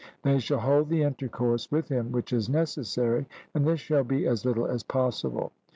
They shall hold the intercourse with him which is necessary, and this shall be as little as possible.